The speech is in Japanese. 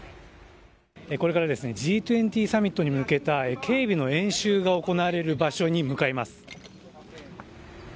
これから、Ｇ２０サミットに向けた警備の演習が行われる場所に向かいます。